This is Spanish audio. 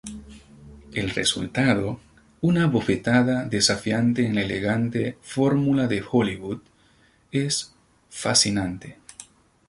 El resultado, una bofetada desafiante en la elegante fórmula de Hollywood, es fascinante.